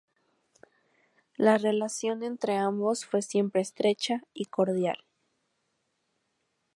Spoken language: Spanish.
La relación entre ambos fue siempre estrecha y cordial.